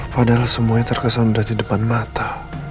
padahal semuanya terkesan sudah di depan mata